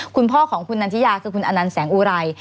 คุณพ่อของคุณนันทิยาคือคุณอนันต์แสงอุไร